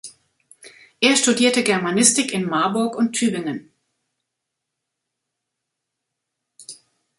Er studierte Germanistik in Marburg und Tübingen.